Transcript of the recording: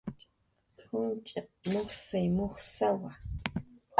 Junch'iq mujsay mujsawa